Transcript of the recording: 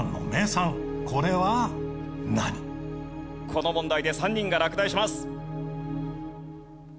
この問題で３人が落第します。